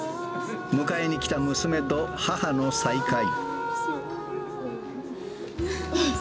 迎えに来た娘と母の再会。